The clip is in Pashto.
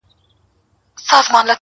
که په خوب دي جنت و نه لید بیا وایه،